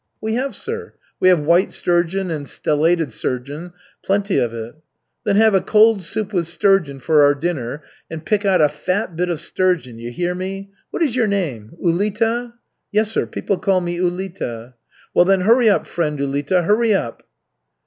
"We have, sir. We have white sturgeon and stellated sturgeon, plenty of it." "Then have a cold soup with sturgeon for our dinner, and pick out a fat bit of sturgeon, you hear me? What is your name? Ulita?" "Yes, sir, people call me Ulita." "Well, then, hurry up, friend Ulita, hurry up."